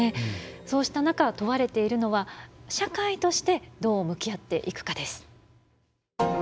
そうした中問われているのは社会としてどう向き合っていくかです。